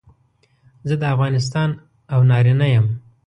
زه د افغانستان او نارینه یم.